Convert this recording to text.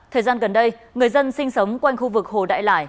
thời gian gần đây người dân sinh sống quanh khu vực hồ đại lải